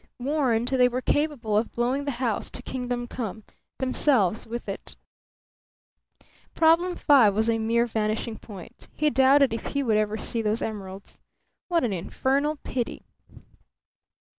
Warned, they were capable of blowing the house to kingdom come, themselves with it. Problem Five was a mere vanishing point. He doubted if he would ever see those emeralds. What an infernal pity!